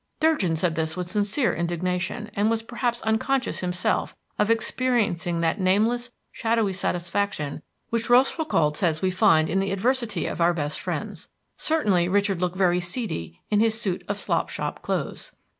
Durgin said this with sincere indignation, and was perhaps unconscious himself of experiencing that nameless, shadowy satisfaction which Rochefoucauld says we find in the adversity of our best friends. Certainly Richard looked very seedy in his suit of slop shop clothes.